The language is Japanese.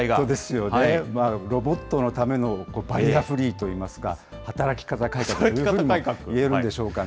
ロボットのためのバリアフリーといいますか、働き方改革というふうにいえるんでしょうかね。